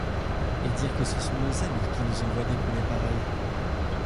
Et dire que ce sont nos amis qui nous envoient des boulets pareils !